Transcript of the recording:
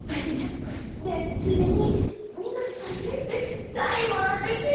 でついでに「みどりさんへ」ってサインもらってきて！